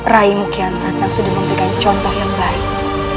raimu kian santang sudah membiarkan contoh yang baik